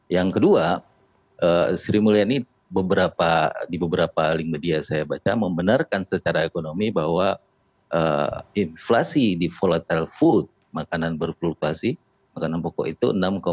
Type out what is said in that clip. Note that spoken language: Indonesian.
yang kedua sri mulyani di beberapa link media saya baca membenarkan secara ekonomi bahwa inflasi di volatile food makanan berfluktuasi makanan pokok itu enam tujuh